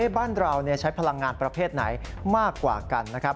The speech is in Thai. บ้านเราใช้พลังงานประเภทไหนมากกว่ากันนะครับ